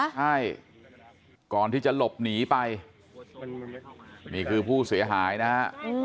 ใช่ก่อนที่จะหลบหนีไปนี่คือผู้เสียหายนะฮะ